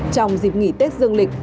trong dịp nghỉ tết dương lịch